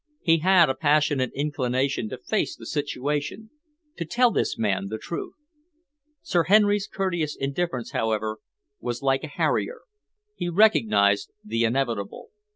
He had a passionate inclination to face the situation, to tell this man the truth. Sir Henry's courteous indifference, however, was like a harrier. He recognised the inevitable.